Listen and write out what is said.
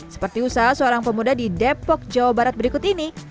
seperti usaha seorang pemuda di depok jawa barat berikut ini